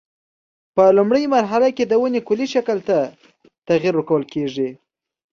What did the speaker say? په لومړۍ مرحله کې د ونې کلي شکل ته تغییر ورکول کېږي.